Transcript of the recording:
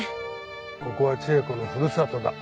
ここは智恵子のふるさとだ。